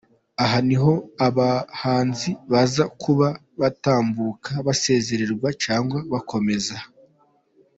Aha niho abahanzi baza kuba batambuka basezererwa cyangwa bakomeza.